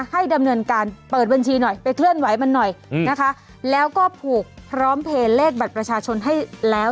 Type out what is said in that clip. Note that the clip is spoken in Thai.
ให้ดำเนินการเปิดบัญชีหน่อยไปเคลื่อนไหวมันหน่อยนะคะแล้วก็ผูกพร้อมเพลย์เลขบัตรประชาชนให้แล้ว